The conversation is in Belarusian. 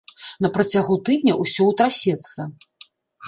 На працягу тыдня ўсё ўтрасецца.